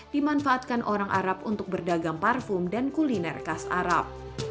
dimanfaatkan orang arab untuk berdagang parfum dan kuliner khas arab